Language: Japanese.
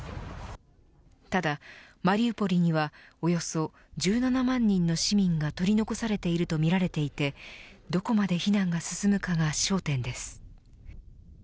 ただマリウポリには、およそ１７万人の市民が取り残されているとみられていてどこまで避難が進むかが焦点です。